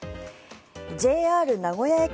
ＪＲ名古屋駅